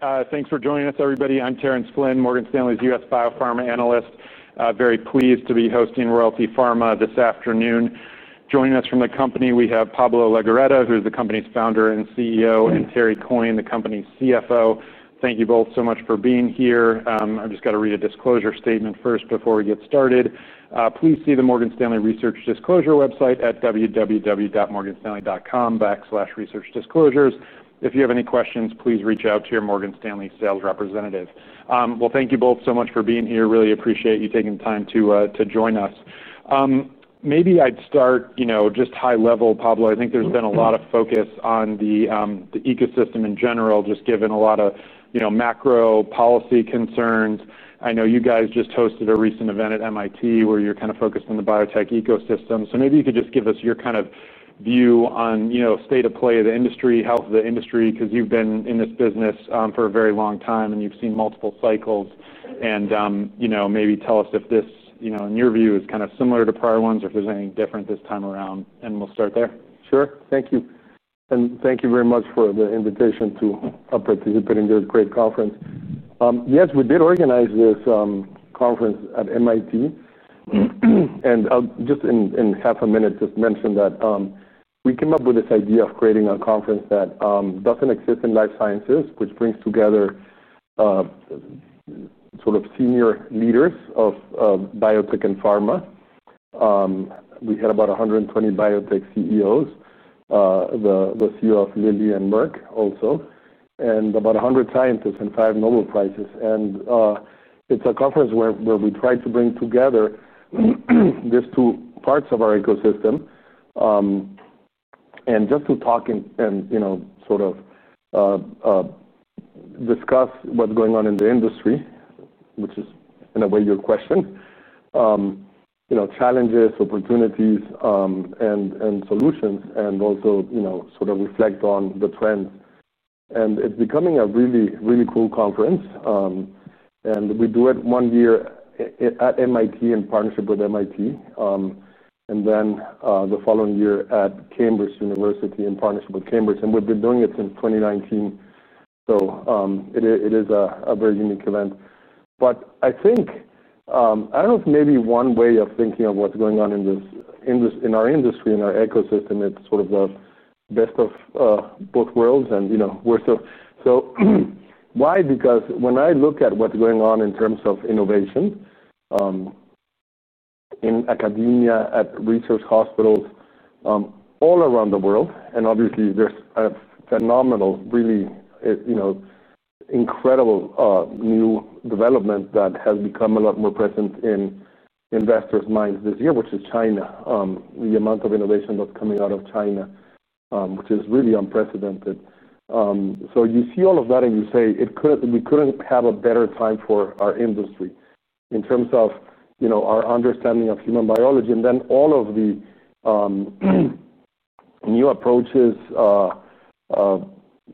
Great. Thanks for joining us everybody. I'm Terrence Flynn, Morgan Stanley's U.S. Biopharma analyst. Very pleased to be hosting Royalty Pharma this afternoon. Joining us from the company, we have Pablo Legorreta, who is the company's Founder and CEO, and Terry Coyne, the company's CFO. Thank you both so much for being here. I just have to read a disclosure statement first before we get started. Please see the Morgan Stanley Research Disclosure website at www.morganstanley.com/researchdisclosures. If you have any questions, please reach out to your Morgan Stanley sales representative. Thank you both so much for being here. Really appreciate you taking the time to join us. Maybe I'd start just high level, Pablo. I think there's been a lot of focus on the ecosystem in general, just given a lot of macro policy concerns. I know you guys just hosted a recent event at MIT where you were kind of focused on the biotech ecosystem. Maybe you could just give us your view on the state of play of the industry, health of the industry, because you've been in this business for a very long time and you've seen multiple cycles. Maybe tell us if this in your view, is kind of similar to prior ones or if there's anything different this time around. We'll start there. Sure. Thank you. Thank you very much for the invitation to participate in this great conference. Yes, we did organize this conference at MIT. I'll just in half a minute, mention that we came up with this idea of creating a conference that doesn't exist in life sciences, which brings together senior leaders of biotech and Pharma. We had about 120 biotech CEOs, the CEO of Lilly and Merck also, and about 100 scientists, and five Nobel Prizes. It's a conference where we try to bring together these two parts of our ecosystem to talk and discuss what's going on in the industry, which is in a way your question—challenges, opportunities, and solutions—and also reflect on the trends. It's becoming a really, really cool conference. We do it one year at MIT in partnership with MIT, and then the following year at Cambridge University in partnership with Cambridge. We've been doing it since 2019. It is a very unique event. I think maybe one way of thinking of what's going on in our industry in our ecosystem, it's sort of the best of both worlds. W hy? Because when I look at what's going on in terms of innovation in academia, at research hospitals all around the world, obviously there's a phenomenal, really incredible new development that has become a lot more present in investors' minds this year, which is China, the amount of innovation that's coming out of China, which is really unprecedented. You see all of that and you say, we couldn't have a better time for our industry in terms of our understanding of human biology and then all of the new approaches,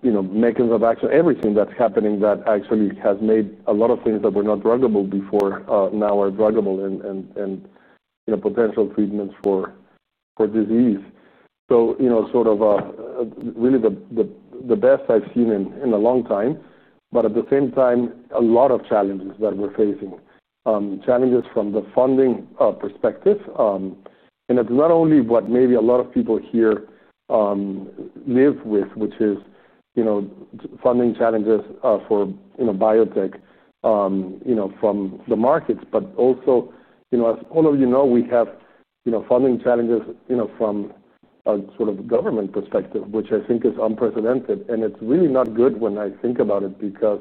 mechanisms of action, everything that's happening that actually has made a lot of things that were not druggable before now are druggable and potential treatments for disease. R eally the best I've seen in a long time. At the same time, there are a lot of challenges that we're facing, challenges from the funding perspective. It's not only what maybe a lot of people here live with, which is funding challenges for biotech from the markets, but also, as all of you know, we have funding challenges from a government perspective, which I think is unprecedented. It's really not good when I think about it because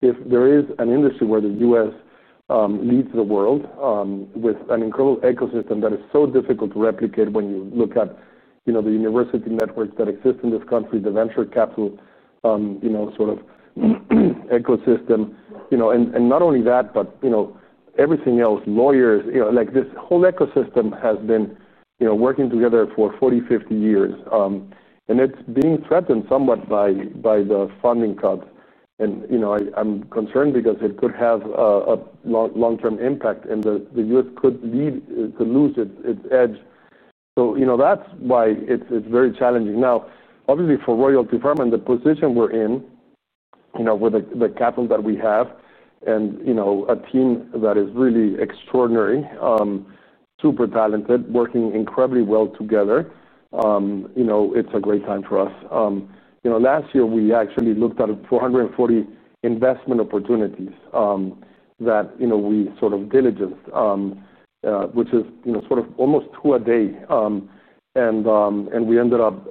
if there is an industry where the U.S. leads the world with an incredible ecosystem that is so difficult to replicate when you look at, you know the university networks that exist in this country, the venture capital, you know sort of ecosystem, and not only that, but everything else, lawyers, like this whole ecosystem has been working together for 40, 50 years. It's being threatened somewhat by the funding cuts. I'm concerned because it could have a long-term impact and the U.S. could lose it's edge. That's why it's very challenging. Now, obviously for Royalty Pharma and the position we're in, with the capital that we have and a team that is really extraordinary, super talented, working incredibly well together, it's a great time for us. Last year we actually looked at 440 investment opportunities that we sort of diligenced, which is almost two a day. We ended up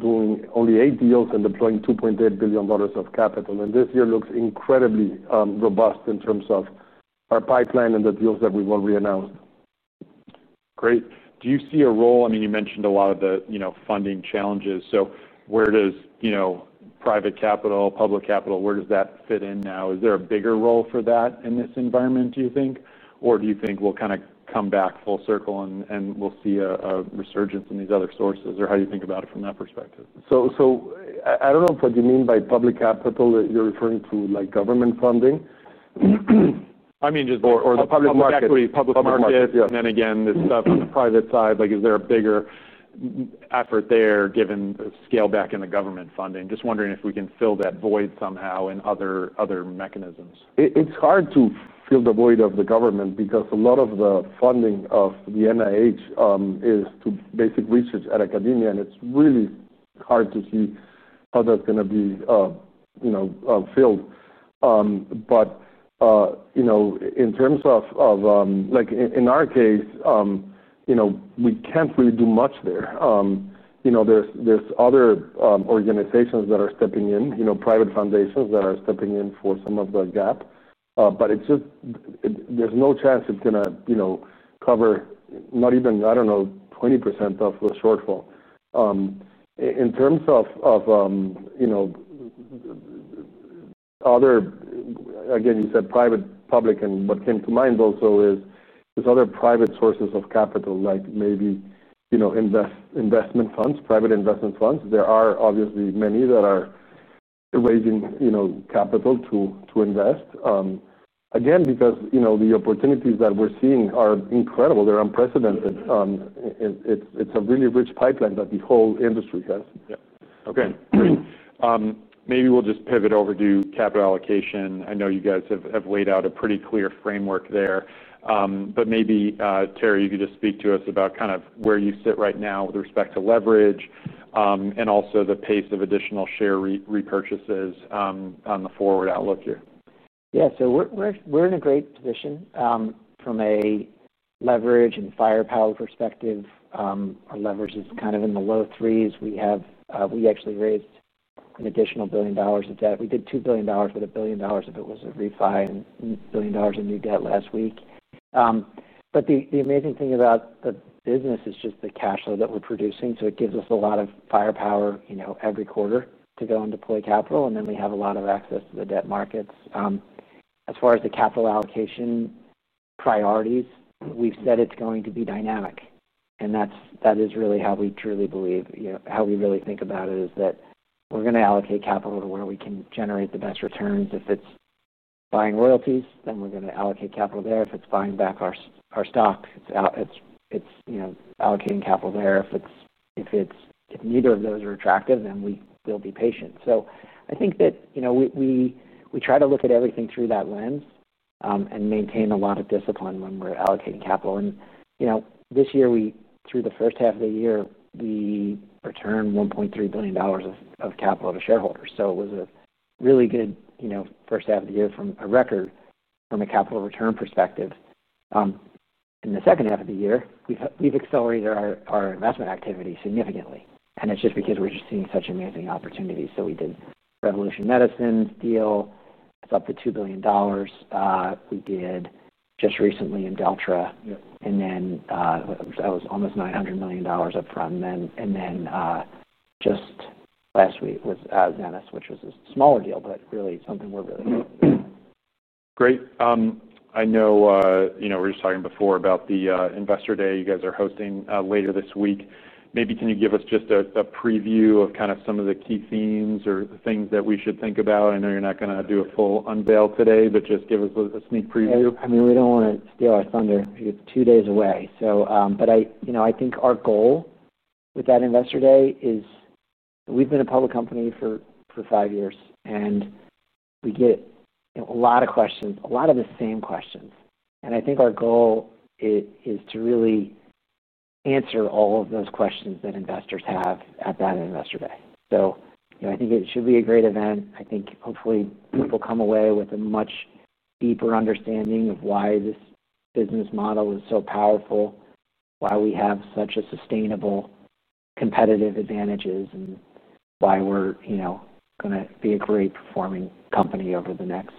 doing only eight deals and deploying $2.8 billion of capital. This year looks incredibly robust in terms of our pipeline and the deals that we've already announced. Great. Do you see a role that you mentioned a lot of the funding challenges. Where does private capital, public capital, where does that fit in now? Is there a bigger role for that in this environment, do you think? Or do you think we'll kind of come back full circle and we'll see a resurgence in these other sources? How do you think about it from that perspective? I don't know what you mean by public capital, that you're referring to like government funding? I mean, and then again the private side, is there a bigger effort there given the scale back in the government funding. Just wondering if we can fill that void somehow in other mechanisms. It's hard to fill the void of the government because a lot of the funding of the NIH is to basic research at academia. It's really hard to see how that's going to be filled. In terms of, like in our case, we can't really do much there. There are other organizations that are stepping in, private foundations that are stepping in for some of the gap. There's no chance it's going to cover not even, I don't know, 20% of the shortfall. In terms of other, again you said private, public, and what came to mind also is there's other private sources of capital, like maybe investment funds, private investment funds. There are obviously many that are raising capital to invest. Again, because the opportunities that we're seeing are incredible. They're unprecedented. It's a really rich pipeline that the whole industry has. Yeah. Okay. Great. Maybe we'll just pivot over to capital allocation. I know you guys have laid out a pretty clear framework there. Maybe, Terry, if you could just speak to us about kind of where you sit right now with respect to leverage and also the pace of additional share repurchases on the forward outlook here. Yeah. We're in a great position from a leverage and firepower perspective. Our leverage is kind of in the low threes. We actually raised an additional $1 billion of debt. We did $2 billion, but $1 billion of it was a refi, and $1 billion in new debt last week. The amazing thing about the business is just the cash flow that we're producing. It gives us a lot of firepower every quarter to go and deploy capital. We have a lot of access to the debt markets. As far as the capital allocation priorities, we've said it's going to be dynamic. That is really how we truly believe, how we really think about it is that we're going to allocate capital to where we can generate the best returns. If it's buying royalties, then we're going to allocate capital there. If it's buying back our stock, it's allocating capital there. If neither of those are attractive, then we'll be patient. I think that we try to look at everything through that lens and maintain a lot of discipline when we're allocating capital. This year, through the first half of the year, we returned $1.3 billion of capital to shareholders. It was a really good first half of the year from a record from a capital return perspective. In the second half of the year, we've accelerated our investment activity significantly. It's just because we're seeing such amazing opportunities. We did Revolution Medicines' deal. It's up to $2 billion. We did just recently Inveltra, and that was almost $900 million upfront. Just last week was Zenith, which was a smaller deal, but really something we're really. Great. I know we were just talking before about the Investor day you guys are hosting later this week. Maybe can you give us just a preview of kind of some of the key themes or the things that we should think about? I know you're not going to do a full unveil today, but just give us a sneak preview. We don't want to steal our thunder. It's two days away. I think our goal with that Investor Day is we've been a public company for five years. We get a lot of questions, a lot of the same questions. I think our goal is to really answer all of those questions that investors have at that Investor Day. I think it should be a great event. Hopefully people come away with a much deeper understanding of why this business model is so powerful, why we have such a sustainable competitive advantage, and why we're going to be a great performing company over the next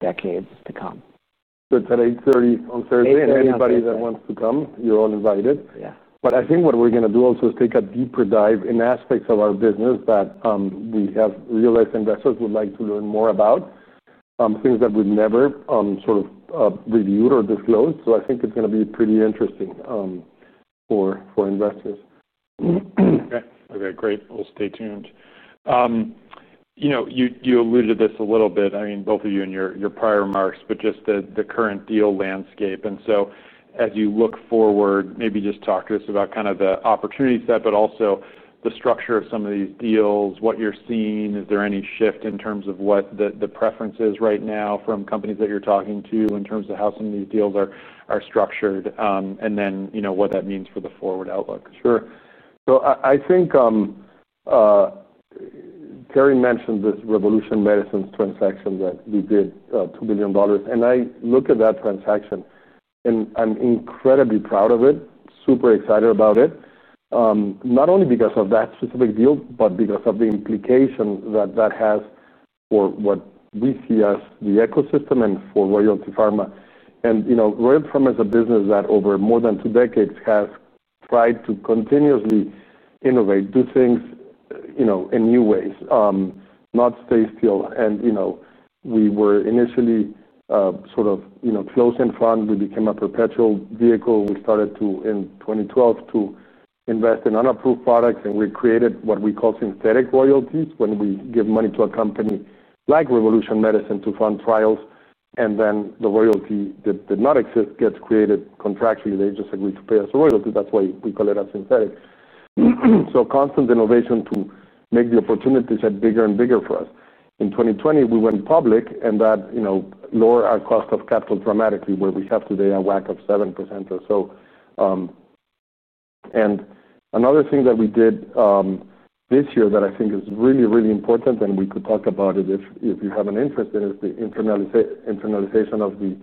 decades to come. At 10:30 A.M. on Thursday, anybody that wants to come, you're all invited. I think what we're going to do also is take a deeper dive in aspects of our business that we have realized investors would like to learn more about, things that we've never sort of reviewed or disclosed. I think it's going to be pretty interesting for investors. Yeah. Okay. Great. We'll stay tuned. You alluded to this a little bit, I mean, both of you in your prior remarks, just the current deal landscape. As you look forward, maybe just talk to us about the opportunities there, but also the structure of some of these deals, what you're seeing. Is there any shift in terms of what the preference is right now from companies that you're talking to in terms of how some of these deals are structured? What that means for the forward outlook. Sure. I think Terry mentioned this Revolution Medicines transaction that we did, $2 billion. I look at that transaction, and I'm incredibly proud of it, super excited about it. Not only because of that specific deal, but because of the implication that that has for what we see as the ecosystem and for Royalty Pharma. Royalty Pharma is a business that over more than two decades has tried to continuously innovate, do things in new ways, not stay still. We were initially sort of close and front. We became a perpetual vehicle. We started in 2012 to invest in unapproved products, and we created what we call synthetic royalties when we give money to a company like Revolution Medicines to fund trials. Then the royalty that did not exist gets created contractually. They just agreed to pay us a royalty. That's why we call it a synthetic. Constant innovation to make the opportunities get bigger and bigger for us. In 2020, we went public and that lowered our cost of capital dramatically, where we have today a WACC of 7% or so. Another thing that we did this year that I think is really, really important, and we could talk about it if you have an interest in it, is the internalization of the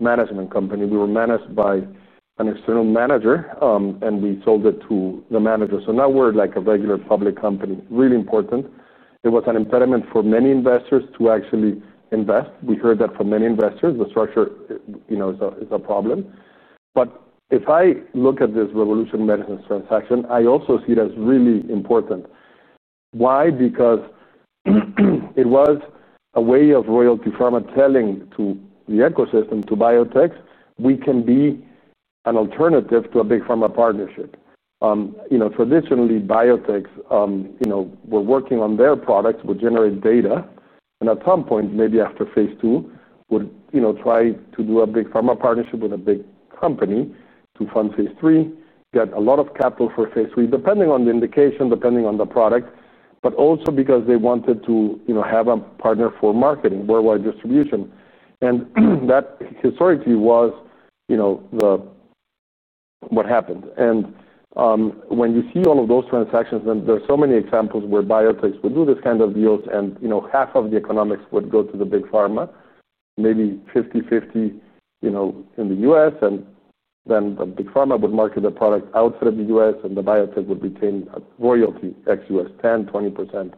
management company. We were managed by an external manager, and we sold it to the manager. Now we're like a regular public company. Really important. It was an impediment for many investors to actually invest. We heard that from many investors, the structure is a problem. If I look at this Revolution Medicines transaction, I also see it as really important. Why? Because it was a way of Royalty Pharma telling the ecosystem, to biotechs, we can be an alternative to a big pharma partnership. Traditionally, biotechs were working on their product, would generate data, and at some point, maybe after phase two, would try to do a big pharma partnership with a big company to fund phase three, get a lot of capital for phase three, depending on the indication, depending on the product, but also because they wanted to have a partner for marketing, worldwide distribution. That historically was what happened. When you see all of those transactions, there are so many examples where biotechs would do this kind of deals, and, you know, half of the economics would go to big pharma, maybe 50/50, you know, in the U.S., and then big pharma would market the product outside of the U.S., and the biotech would retain royalty, ex-U.S., 10%, 20%.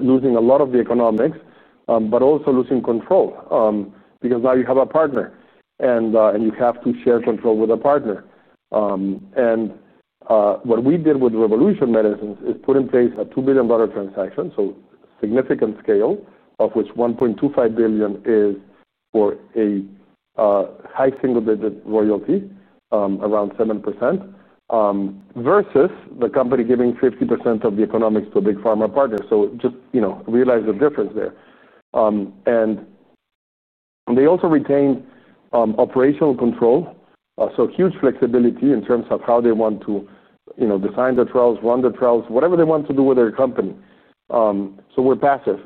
Losing a lot of the economics, but also losing control, because now you have a partner, and you have to share control with a partner. What we did with Revolution Medicines is put in place a $2 billion transaction, significant scale, of which $1.25 billion is for a high single-digit royalty, around 7%, versus the company giving 50% of the economics to a big pharma partner. Just realize the difference there. They also retained operational control, huge flexibility in terms of how they want to design the trials, run the trials, whatever they want to do with their company. We're passive.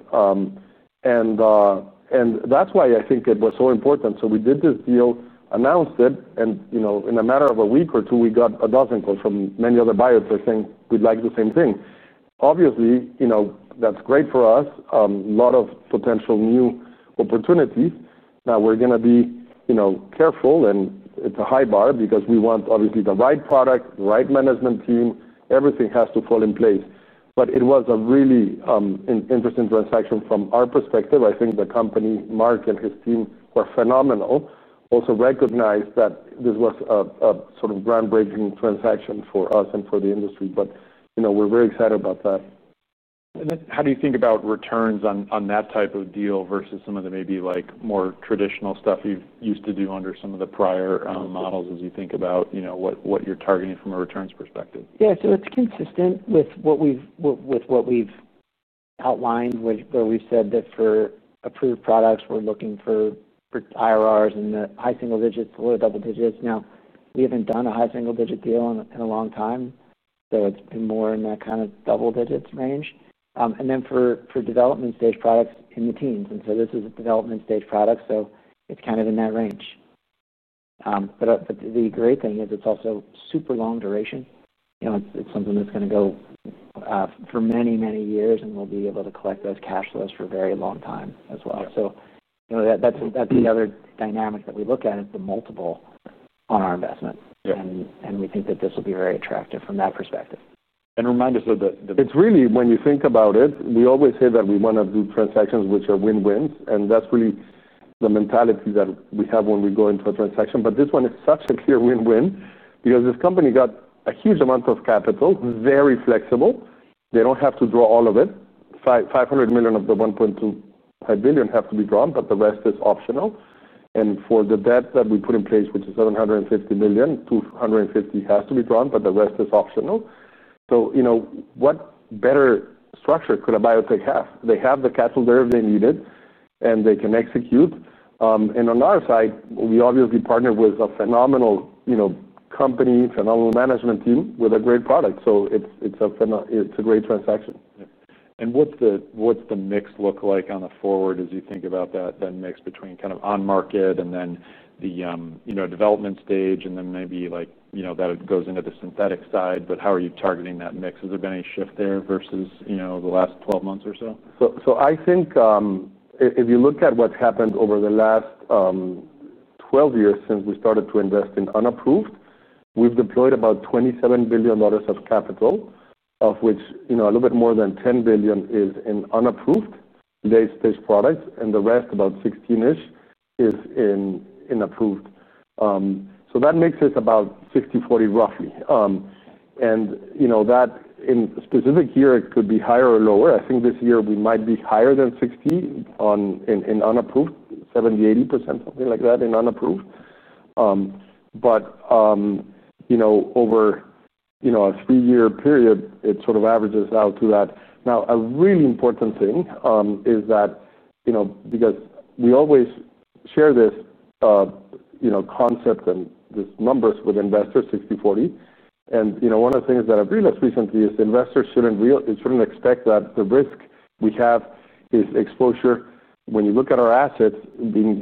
That is why I think it was so important. We did this deal, announced it, and in a matter of a week or two, we got a dozen calls from many other biotech saying we'd like the same thing. Obviously, that's great for us, a lot of potential new opportunities. Now we're going to be careful, and it's a high bar because we want the right product, the right management team, everything has to fall in place. It was a really interesting transaction from our perspective. I think the company, Mark and his team were phenomenal, also recognized that this was a sort of groundbreaking transaction for us and for the industry. We're very excited about that. How do you think about returns on that type of deal versus some of the maybe like more traditional stuff you used to do under some of the prior models as you think about what you're targeting from a returns perspective? Yeah. It's consistent with what we've outlined, where we said that for approved products, we're looking for IRRs in the high single digits, lower double digits. We haven't done a high single digit deal in a long time, so it's been more in that double digits range. For development-stage products, in the teens. This is a development-stage product, so it's in that range. The great thing is it's also super long duration. It's something that's going to go for many, many years, and we'll be able to collect those cash flows for a very long time as well. That's the other dynamic that we look at, the multiple on our investment, and we think that this will be very attractive from that perspective. Remind us of the. It's really, when you think about it, we always say that we want to do transactions which are win-wins. That's really the mentality that we have when we go into a transaction. This one is such a clear win-win because this company got a huge amount of capital, very flexible. They don't have to draw all of it. $500 million of the $1.25 billion have to be drawn, but the rest is optional. For the debt that we put in place, which is $750 million, $250 million has to be drawn, but the rest is optional. What better structure could a biotech have? They have the capital there they needed, and they can execute. On our side, we obviously partnered with a phenomenal company, phenomenal management team with a great product. It's a great transaction. What does the mix look like going forward as you think about that mix between on market and development-stage, and then maybe as it goes into the synthetic side? How are you targeting that mix? Has there been any shift there versus the last 12 months or so? I think, if you look at what's happened over the last 12 years since we started to invest in unapproved, we've deployed about $27 billion of capital, of which a little bit more than $10 billion is in unapproved late-stage products, and the rest, about $16 billion, is in approved. That makes it about 60/40 roughly, and in a specific year, it could be higher or lower. I think this year we might be higher than 60% in unapproved, 70-80%, something like that in unapproved. Over a three-year period, it sort of averages out to that. A really important thing is that, because we always share this concept and these numbers with investors, 60/40. One of the things that I've realized recently is investors shouldn't really, they shouldn't expect that the risk we have is exposure when you look at our assets being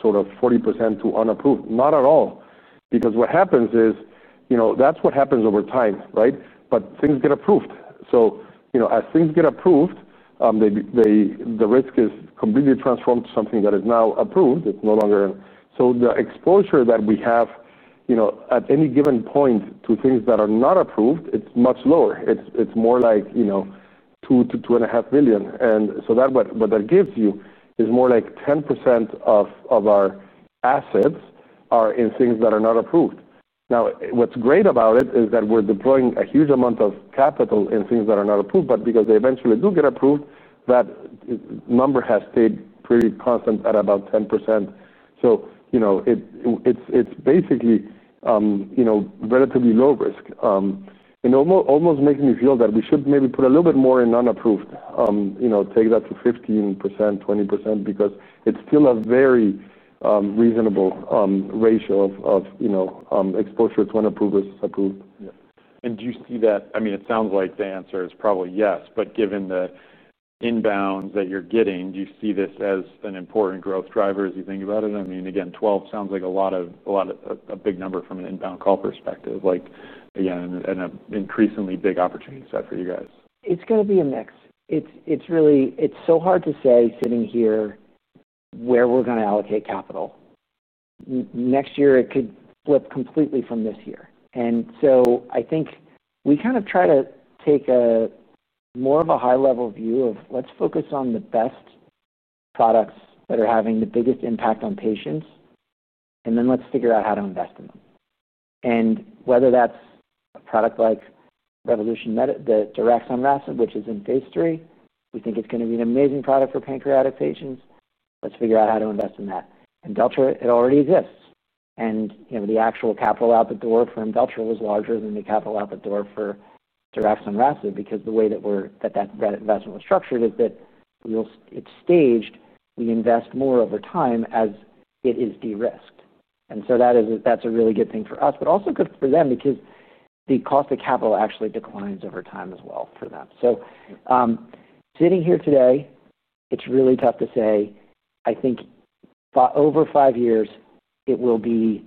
sort of 40% to unapproved. Not at all. What happens is, that's what happens over time, right? Things get approved. As things get approved, the risk is completely transformed to something that is now approved. It's no longer. The exposure that we have at any given point to things that are not approved is much lower. It's more like $2 billion to $2.5 billion. What that gives you is more like 10% of our assets are in things that are not approved. What's great about it is that we're deploying a huge amount of capital in things that are not approved, but because they eventually do get approved, that number has stayed pretty constant at about 10%. It's basically relatively low risk, and it almost makes me feel that we should maybe put a little bit more in unapproved, take that to 15%, 20% because it's still a very reasonable ratio of exposure to unapproved versus approved. Yeah. Do you see that? I mean, it sounds like the answer is probably yes, but given the inbound that you're getting, do you see this as an important growth driver as you think about it? I mean, again, 12 sounds like a lot, a big number from an inbound call perspective, like, again, an increasingly big opportunity set for you guys. It's going to be a mix. It's really, it's so hard to say sitting here where we're going to allocate capital. Next year, it could flip completely from this year. I think we kind of try to take a more of a high-level view of let's focus on the best products that are having the biggest impact on patients, and then let's figure out how to invest in them. Whether that's a product like Revolution Medicines, the Aficamten, which is in phase three, we think it's going to be an amazing product for pancreatic patients. Let's figure out how to invest in that. Ruxolitinib, it already exists. The actual capital out the door from Ruxolitinib was larger than the capital out the door for Aficamten because the way that investment was structured is that it's staged. We invest more over time as it is de-risked. That is a really good thing for us, but also good for them because the cost of capital actually declines over time as well for them. Sitting here today, it's really tough to say. I think for over five years, it will be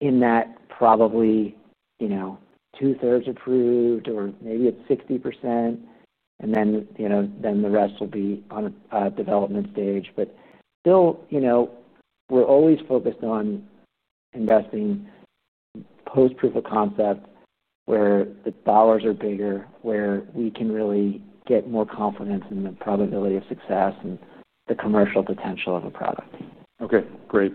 in that probably, you know, two-thirds approved or maybe it's 60%. The rest will be on a development-stage. Still, we're always focused on investing post-proof of concept where the dollars are bigger, where we can really get more confidence in the probability of success and the commercial potential of a product. Okay. Great.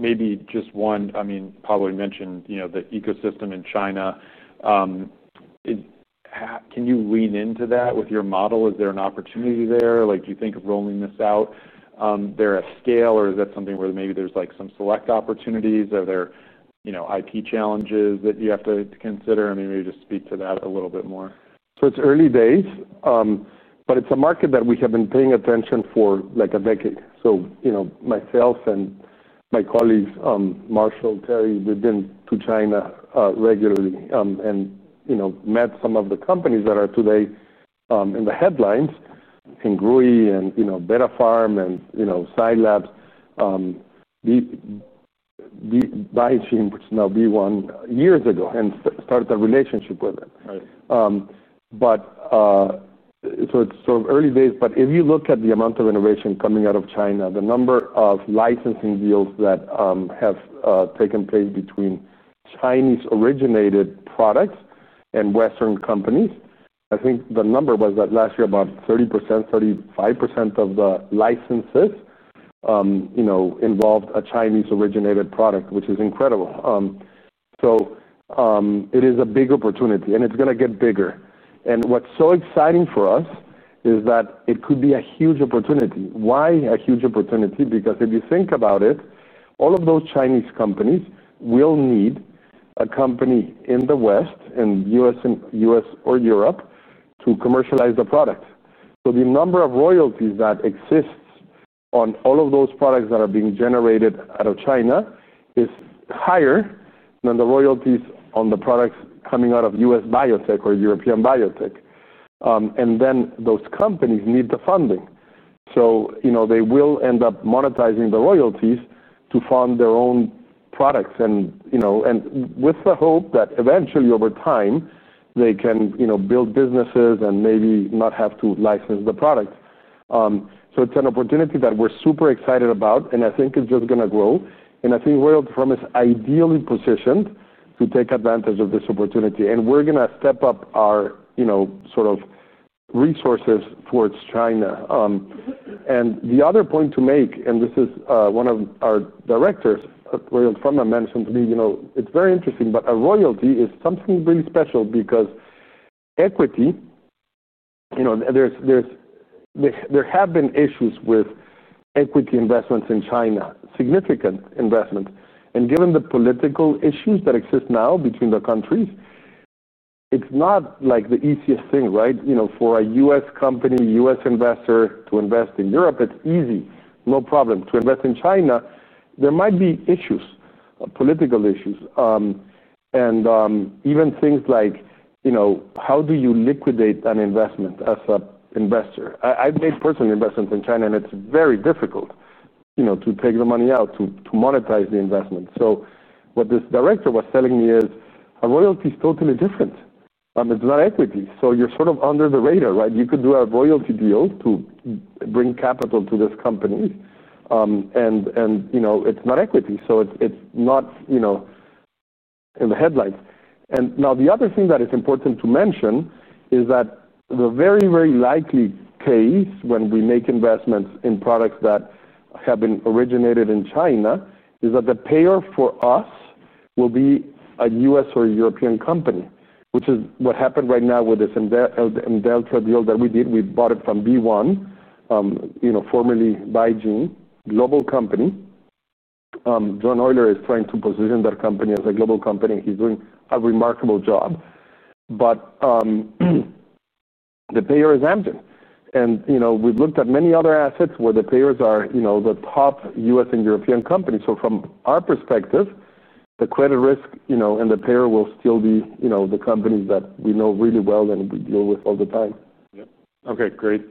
Maybe just one, I mean, Pablo had mentioned, you know, the ecosystem in China. Can you lean into that with your model? Is there an opportunity there? Like, do you think of rolling this out there at scale, or is that something where maybe there's like some select opportunities? Are there, you know, IP challenges that you have to consider? I mean, maybe just speak to that a little bit more. It's early days, but it's a market that we have been paying attention to for like a decade. Myself and my colleagues, Marshall, Terry, we've been to China regularly and met some of the companies that are today in the headlines, in GRUI and BetaFarm and Psylabs, Bioshield, which is now B1, years ago, and started a relationship with it. It's so early days. If you look at the amount of innovation coming out of China, the number of licensing deals that have taken place between Chinese-originated products and Western companies, I think the number was that last year about 30% to 35% of the licenses involved a Chinese-originated product, which is incredible. It is a big opportunity, and it's going to get bigger. What's so exciting for us is that it could be a huge opportunity. Why a huge opportunity? If you think about it, all of those Chinese companies will need a company in the West, in the U.S. or Europe, to commercialize the products. The number of royalties that exist on all of those products that are being generated out of China is higher than the royalties on the products coming out of U.S. biotech or European biotech. Those companies need the funding. They will end up monetizing the royalties to fund their own products, with the hope that eventually over time, they can build businesses and maybe not have to license the products. It's an opportunity that we're super excited about, and I think it's just going to grow. I think Royalty Pharma is ideally positioned to take advantage of this opportunity, and we're going to step up our resources towards China. The other point to make, and this is one of our directors at Royalty Pharma mentioned to me, it's very interesting, but a royalty is something really special because equity, there have been issues with equity investments in China, significant investment. Given the political issues that exist now between the countries, it's not the easiest thing, for a U.S. company, U.S. investor to invest in Europe, it's easy, no problem. To invest in China, there might be issues, political issues, and even things like how do you liquidate an investment as an investor? I made personal investments in China, and it's very difficult, you know, to take the money out, to monetize the investment. What this director was telling me is a royalty is totally different. It's not equity, so you're sort of under the radar, right? You could do a royalty deal to bring capital to this company, and, you know, it's not equity, so it's not, you know, in the headlights. The other thing that is important to mention is that the very, very likely case when we make investments in products that have been originated in China is that the payer for us will be a U.S. or European company, which is what happened right now with this Inveltra deal that we did. We bought it from B1, you know, formerly Baijing, global company. John Euler is trying to position that company as a global company. He's doing a remarkable job. The payer is Amgen. We've looked at many other assets where the payers are, you know, the top U.S. and European companies. From our perspective, the credit risk, you know, and the payer will still be, you know, the companies that we know really well and we deal with all the time. Yeah. Okay. Great.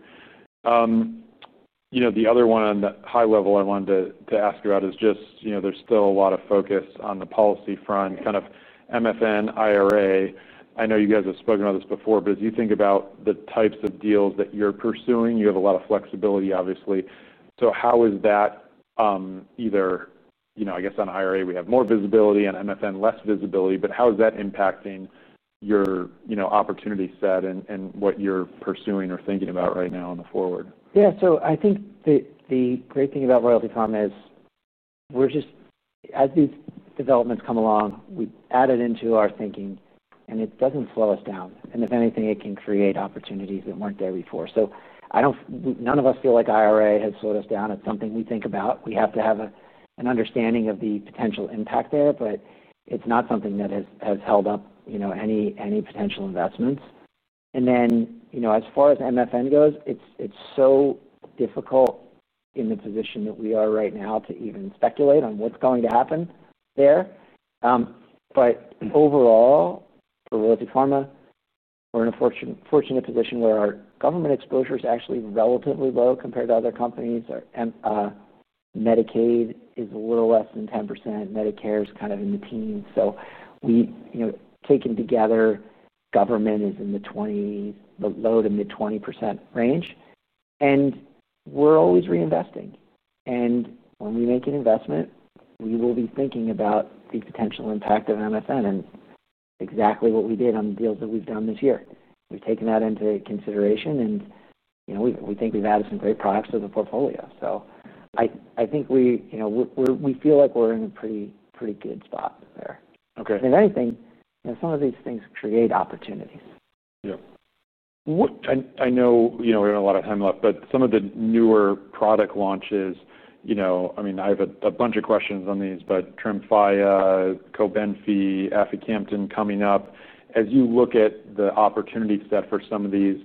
The other one on the high level I wanted to ask about is just, you know, there's still a lot of focus on the policy front, kind of Most Favored Nation, Inflation Reduction Act. I know you guys have spoken about this before, but as you think about the types of deals that you're pursuing, you have a lot of flexibility, obviously. How is that, either, I guess on Inflation Reduction Act, we have more visibility and Most Favored Nation less visibility, but how is that impacting your opportunity set and what you're pursuing or thinking about right now on the forward? Yeah. I think the great thing about Royalty Pharma is we're just, as these developments come along, we add it into our thinking, and it doesn't slow us down. If anything, it can create opportunities that weren't there before. I don't, none of us feel like IRA has slowed us down. It's something we think about. We have to have an understanding of the potential impact there, but it's not something that has held up any potential investments. As far as MFN goes, it's so difficult in the position that we are right now to even speculate on what's going to happen there. Overall, for Royalty Pharma, we're in a fortunate position where our government exposure is actually relatively low compared to other companies. Our Medicaid is a little less than 10%. Medicare is kind of in the teens. Taken together, government is in the low to mid-20% range. We're always reinvesting. When we make an investment, we will be thinking about the potential impact of MFN and exactly what we did on the deals that we've done this year. We've taken that into consideration, and we think we've added some great products to the portfolio. I think we feel like we're in a pretty, pretty good spot there. Okay. If anything, you know, some of these things create opportunities. Yeah. What I know, we have a lot of time left, but some of the newer product launches, I have a bunch of questions on these, Tremfya, Cobenfy, Aficamten coming up. As you look at the opportunity set for some of these,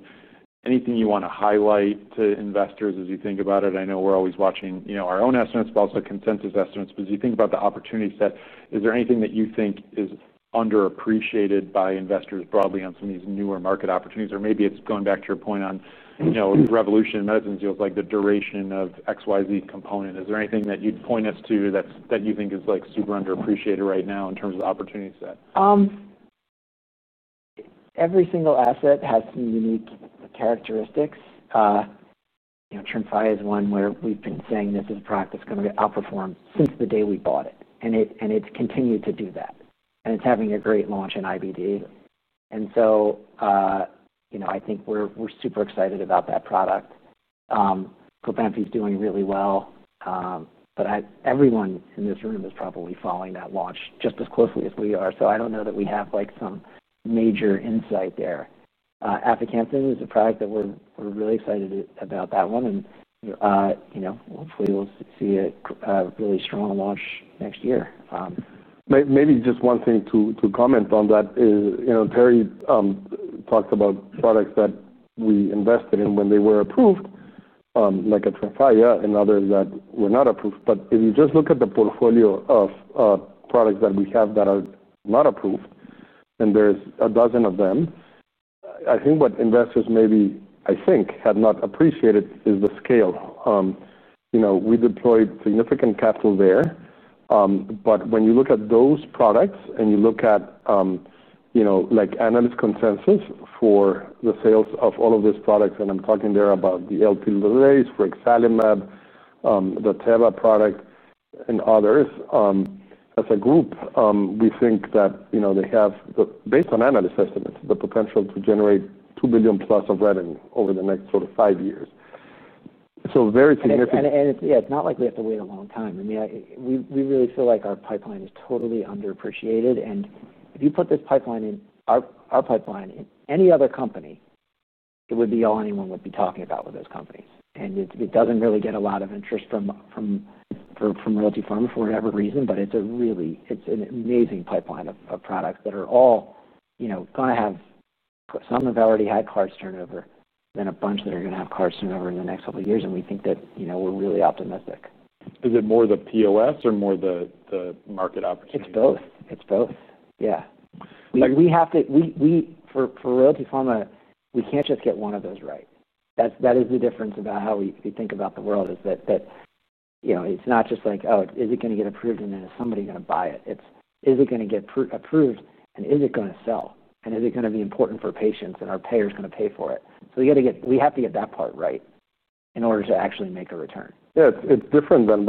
anything you want to highlight to investors as you think about it? I know we're always watching our own estimates, but also consensus estimates. As you think about the opportunity set, is there anything that you think is underappreciated by investors broadly on some of these newer market opportunities? Maybe it's going back to your point on Revolution Medicines deals, like the duration of XYZ component. Is there anything that you'd point us to that you think is super underappreciated right now in terms of the opportunity set? Every single asset has some unique characteristics. Tremfya is one where we've been saying that this product is going to outperform since the day we bought it, and it's continued to do that. It's having a great launch in IBD. I think we're super excited about that product. Cobenfy is doing really well. Everyone in this room is probably following that launch just as closely as we are. I don't know that we have some major insight there. Aficamten is a product that we're really excited about, and hopefully, we'll see a really strong launch next year. Maybe just one thing to comment on that is, you know, Terry talked about products that we invested in when they were approved, like Tremfya, and others that were not approved. If you just look at the portfolio of products that we have that are not approved, and there's a dozen of them, I think what investors maybe have not appreciated is the scale. You know, we deployed significant capital there. When you look at those products and you look at, you know, like analyst consensus for the sales of all of these products, and I'm talking there about the Aficamten, Ruxolitinib, the Teva product, and others, as a group, we think that, you know, they have, based on analyst estimates, the potential to generate $2 billion plus of revenue over the next sort of five years. Very significant. Yeah. It's not like we have to wait a long time. I mean, we really feel like our pipeline is totally underappreciated. If you put this pipeline in our pipeline in any other company, it would be all anyone would be talking about with those companies. It doesn't really get a lot of interest from Royalty Pharma for whatever reason, but it's a really, it's an amazing pipeline of products that are all, you know, going to have, some have already had cards turned over, then a bunch that are going to have cards turned over in the next couple of years. We think that, you know, we're really optimistic. Is it more the POS or more the market opportunity? It's both. It's both. We have to, for Royalty Pharma, we can't just get one of those right. That is the difference about how we think about the world, you know, it's not just like, oh, is it going to get approved and then is somebody going to buy it? It's, is it going to get approved and is it going to sell? Is it going to be important for patients and are payers going to pay for it? We have to get that part right in order to actually make a return. Yeah. It's different than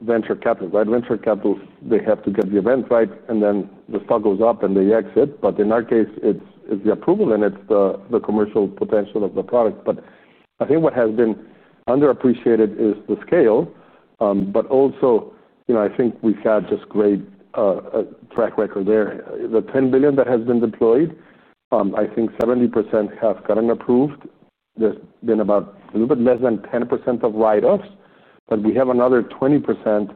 venture capital, right? Venture capital, they have to get the event right and then the stock goes up and they exit. In our case, it's the approval and it's the commercial potential of the product. I think what has been underappreciated is the scale, but also, you know, I think we've had just a great track record there. The $10 billion that has been deployed, I think 70% have gotten approved. There's been about a little bit less than 10% of write-offs, but we have another 20%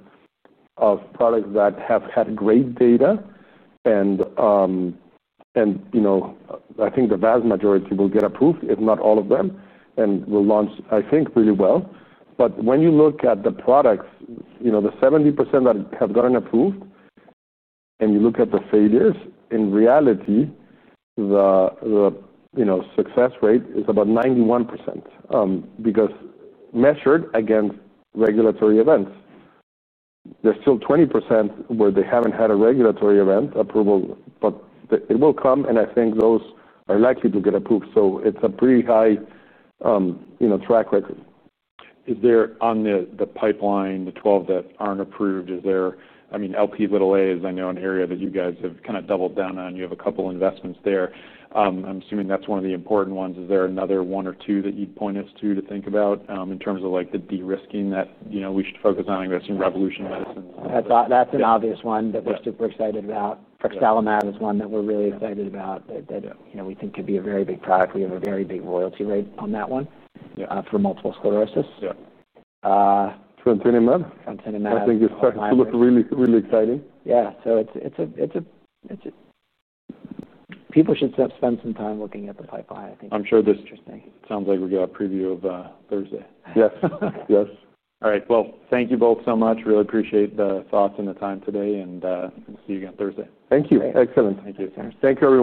of products that have had great data. I think the vast majority will get approved, if not all of them, and will launch, I think, pretty well. When you look at the products, the 70% that have gotten approved, and you look at the failures, in reality, the success rate is about 91%, because measured against regulatory events. There's still 20% where they haven't had a regulatory event approval, but it will come, and I think those are likely to get approved. It's a pretty high track record. Is there, on the pipeline, the 12 that aren't approved, is there, I mean, Eli Lilly, as I know, an area that you guys have kind of doubled down on. You have a couple of investments there. I'm assuming that's one of the important ones. Is there another one or two that you'd point us to, to think about in terms of the de-risking that we should focus on? I mean, that's in Revolution Medicines. That's an obvious one that we're super excited about. Ruxolitinib is one that we're really excited about that, you know, we think could be a very big product. We have a very big royalty rate on that one, yeah, for multiple sclerosis. Yeah. TremfeneMab? TremfeneMab. I think it's going to look really, really exciting. people should spend some time looking at the pipeline, I think. I'm sure this sounds like we'll get a preview of Thursday. Yes. Yes. All right. Thank you both so much. Really appreciate the thoughts and the time today. We'll see you again Thursday. Thank you. Excellent. Thank you. Thanks, Terry. Take care.